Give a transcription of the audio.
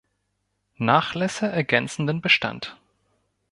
Nachlässe ergänzen den Bestand.